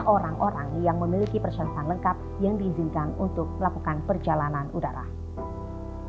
orang orang yang memiliki persyaratan lengkap yang diizinkan untuk melakukan perjalanan udara